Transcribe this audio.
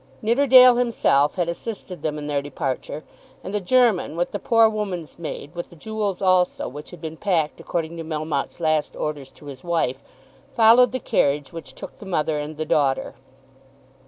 Nidderdale himself had assisted them in their departure; and the German, with the poor woman's maid, with the jewels also, which had been packed according to Melmotte's last orders to his wife, followed the carriage which took the mother and the daughter.